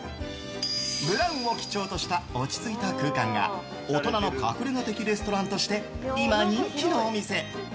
ブラウンを基調とした落ち着いた空間が大人の隠れ家的レストランとして今、人気のお店。